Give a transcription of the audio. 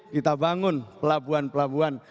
kita bangun pelabuhan pelabuhan